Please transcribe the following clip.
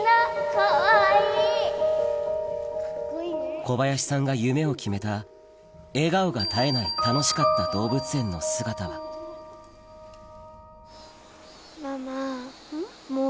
かわいい小林さんが夢を決めた笑顔が絶えないの姿はママ。